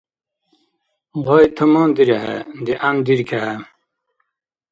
Гъай тамандирехӀе. ДигӀяндиркехӀе.